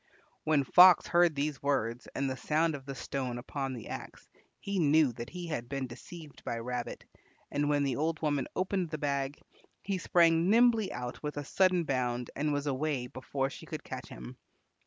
When Fox heard these words and the sound of the stone upon the axe, he knew that he had been deceived by Rabbit, and when the old woman opened the bag he sprang nimbly out with a sudden bound and was away before she could catch him.